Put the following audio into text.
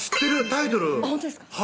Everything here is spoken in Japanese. タイトルほんとですか